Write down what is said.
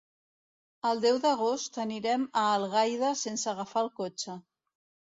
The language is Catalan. El deu d'agost anirem a Algaida sense agafar el cotxe.